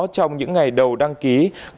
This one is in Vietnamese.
trong những ngày đầu đăng ký